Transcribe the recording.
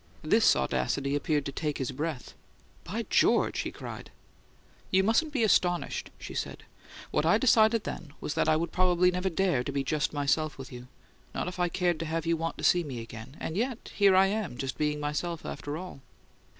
This audacity appeared to take his breath. "By George!" he cried. "You mustn't be astonished," she said. "What I decided then was that I would probably never dare to be just myself with you not if I cared to have you want to see me again and yet here I am, just being myself after all!"